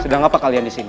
sedang ngapa kalian disini